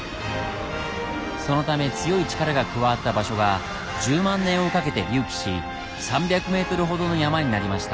そのため強い力が加わった場所が１０万年をかけて隆起し３００ｍほどの山になりました。